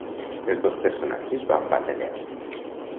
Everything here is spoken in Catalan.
Els dos personatges van batallar?